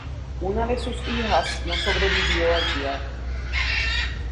Una de sus hijas no sobrevivió al viaje.